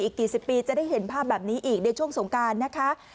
อีกกี่สิบปีจะได้เห็นภาพแบบนี้อีกในช่วงสงการนะคะ